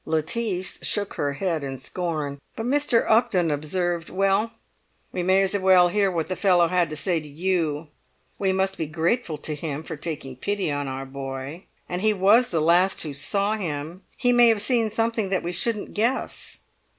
Lettice shook her head in scorn, but Mr. Upton observed, "Well, we may as well hear what the fellow had to say to you; we must be grateful to him for taking pity on our boy, and he was the last who saw him; he may have seen something that we shouldn't guess."